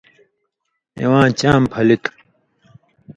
اِواں چام پھلیۡ تُھو